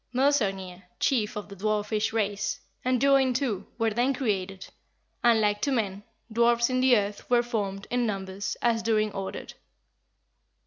Modsognir, chief Of the dwarfish race, And Durin too Were then created. And like to men Dwarfs in the earth Were formed in numbers As Durin ordered.'"